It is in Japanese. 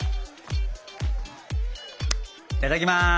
いただきます。